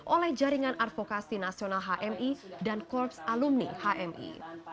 oleh jaringan advokasi nasional hmi dan korps alumni hmi